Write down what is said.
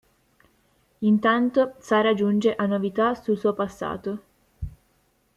Intanto, Sara giunge a novità sul suo passato.